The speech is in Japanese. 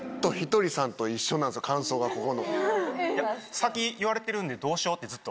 先言われてるんでどうしよう！ってずっと。